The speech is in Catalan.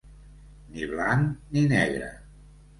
Ni blanc, ni negre.